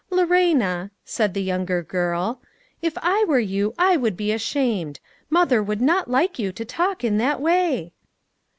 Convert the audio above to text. " Lorena," said the younger girl, " if I were you I would be ashamed ; mother would not like you to talk in that way." THE FLOWER PARTY.